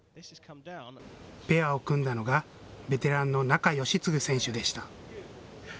ペアを組んだのが、ベテランの仲喜嗣選手でした。